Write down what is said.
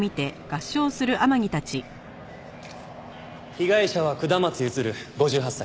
被害者は下松譲５８歳。